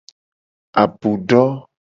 Apu do.